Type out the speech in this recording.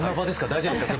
大丈夫ですか？